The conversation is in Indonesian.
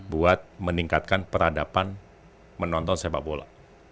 buat meningkatkan peradaban menonton sepak bola